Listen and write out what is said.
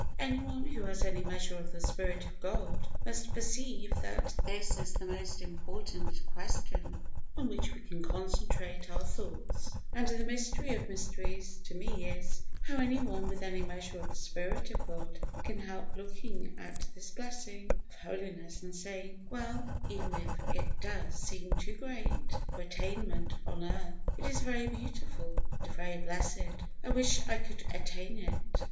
Anyone who has any measure of the Spirit of God, must perceive that this is the most important question on which we can concentrate our thoughts; and the mystery of mysteries to me is, how anyone, with any measure of the Spirit of God, can help looking at this blessing of holiness, and saying, "Well, even if it does seem too great for attainment on earth, it is very beautiful and very blessed. I wish I could attain it."